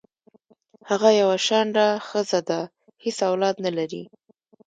هغه یوه شنډه خځه ده حیڅ اولاد نه لری